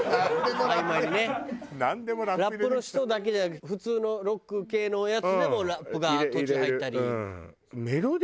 ラップの人だけじゃなく普通のロック系のやつでもラップが途中で入ったり。